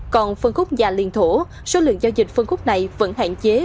còn phân khúc nhà liền thổ số lượng giao dịch phân khúc này vẫn hạn chế